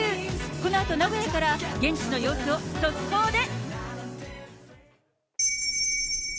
このあと、名古屋から現地の様子を速報で。